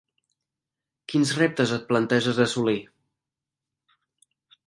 Quins reptes et planteges assolir?